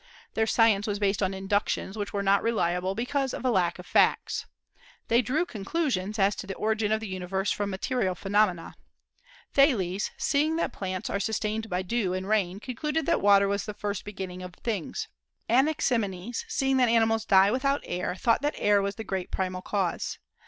Their science was based on inductions which were not reliable, because of a lack of facts. They drew conclusions as to the origin of the universe from material phenomena. Thales, seeing that plants are sustained by dew and rain, concluded that water was the first beginning of things. Anaximenes, seeing that animals die without air, thought that air was the great primal cause.